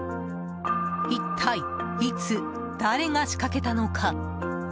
一体、いつ誰が仕掛けたのか？